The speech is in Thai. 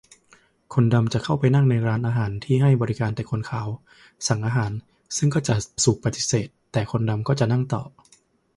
คนดำจะเข้าไปนั่งในร้านอาหารที่ให้บริการแต่คนขาว สั่งอาหาร ซึ่งก็จะถูกปฏิเสธ แต่คนดำก็จะนั่งต่อ